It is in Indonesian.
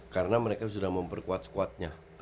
karena mereka sudah memperkuat squadnya